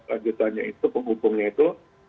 anggetanya itu penghubungnya itu